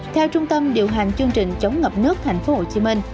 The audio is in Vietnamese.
theo trung tâm điều hành chương trình chống ngập nước tp hcm